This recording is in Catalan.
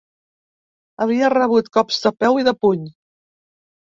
Havia rebut cops de peu i de puny.